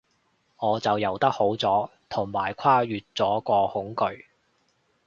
我就游得好咗，同埋跨越咗個恐懼